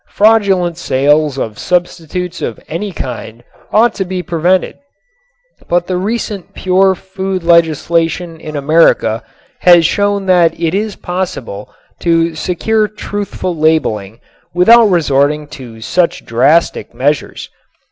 Fradulent sales of substitutes of any kind ought to be prevented, but the recent pure food legislation in America has shown that it is possible to secure truthful labeling without resorting to such drastic measures.